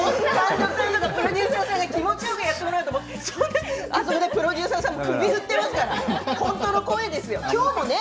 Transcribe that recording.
プロデューサーさんが気持ちよくやってもらおうと思ってあそこでプロデューサーさんが首を振っていますから本当の声ですよ。